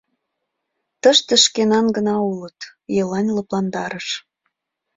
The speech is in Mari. Тыште шкенан гына улыт, — Елань лыпландарыш.